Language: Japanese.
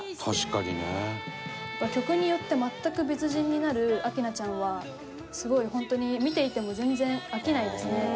うのちゃん：曲によって全く別人になる明菜ちゃんはすごい、本当に見ていても全然飽きないですね。